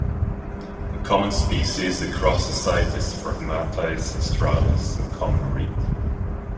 The common species across the site is "Phragmites australis" or common reed.